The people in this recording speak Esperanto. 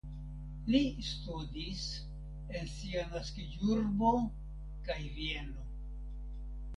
Li studis en sia naskiĝurbo kaj Vieno.